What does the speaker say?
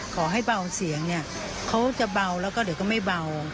ขอให้เบาเสียงเขาจะเบาแล้วเดี๋ยวก็ไม่เบา